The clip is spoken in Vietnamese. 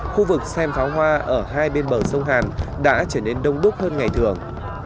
khu vực xem pháo hoa ở hai bên bờ sông hàn đã trở nên đông đúc hơn ngày thường